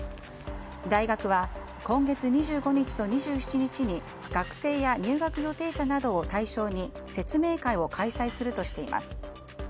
大学は今月２５日と２７日に学生や入学予定者などを対象に説明会を開催するとしています。